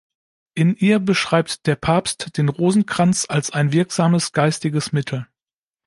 In ihr beschreibt der Papst den Rosenkranz als ein wirksames geistiges Mittel.